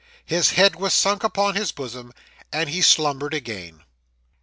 His head was sunk upon his bosom; and he slumbered again.